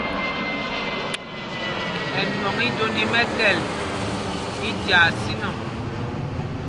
Ɛnwɔŋ íjwónd í mɛ̄kɛ̄l í tyaa sínɔŋ.